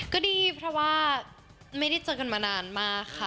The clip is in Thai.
ก็ดีเพราะว่าไม่ได้เจอกันมานานมากค่ะ